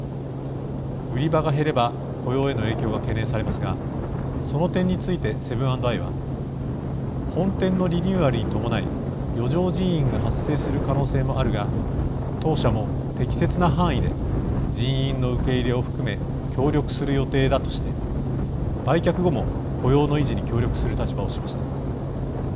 売り場が減れば雇用への影響が懸念されますがその点についてセブン＆アイは本店のリニューアルに伴い余剰人員が発生する可能性もあるが当社も適切な範囲で人員の受け入れを含め協力する予定だとして売却後も雇用の維持に協力する立場を示しています。